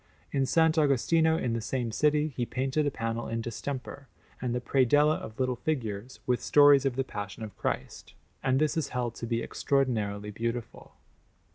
In S. Agostino in the same city he painted a panel in distemper, and the predella of little figures, with stories of the Passion of Christ; and this is held to be extraordinarily beautiful.